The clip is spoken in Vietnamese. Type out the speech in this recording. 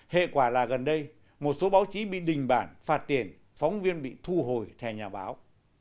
hệ quả là gần đây một số báo chí bị đình bản phạt tiền phóng viên bị thu hồi thè nhà báo